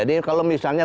jadi kalau misalnya